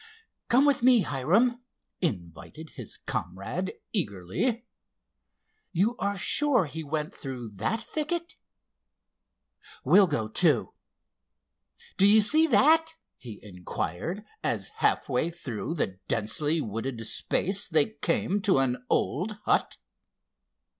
"Come with me, Hiram," invited his comrade eagerly. "You are sure he went through that thicket? We'll go, too. Do you see that?" he inquired, as half way through the densely wooded space they came to an old hut.